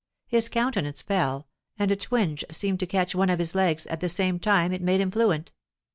His countenance fell, and a twinge seemed to catch one of his legs; at the same time it made him fluent.